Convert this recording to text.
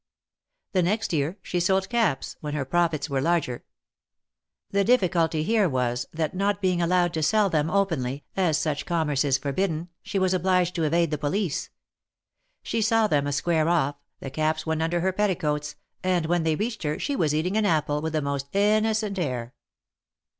The next year she sold caps, when her profits were larger. The difficulty here was, that not being allowed to sell them openly, as such commerce is forbidden, she was obliged to evade the police. She saw them a square off, the caps went under her petticoats, and when they reached her she was eating an apple with the most innocent air.